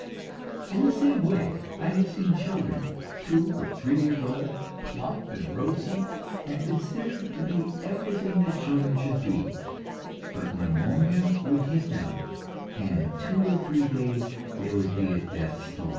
In the same way I have seen children, two or three years old, plump and rosy, and considered to be everything that children should be; but pneumonia would hit them, and in two or three days they would be at death's door.